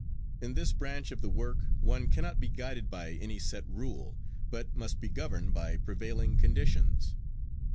In this branch of the work one cannot be guided by any set rule, but must be governed by prevailing conditions.